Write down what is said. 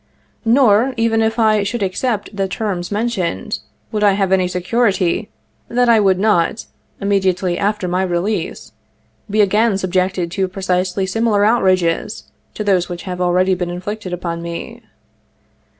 Nor, even if I should accept the terms mentioned, would I have any security that I would not, immediately after my release, be again subjected to precisely similar outrages to those which have already been inflicted upon me.